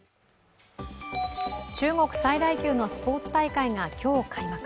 中国最大級のスポーツ大会が今日、開幕。